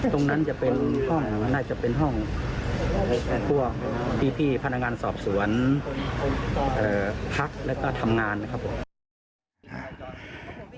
ตรงนั้นจะเป็นห้องพวกพี่พนักงานสอบสวนพักและก็ทำงาน